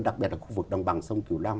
đặc biệt là khu vực đồng bằng sông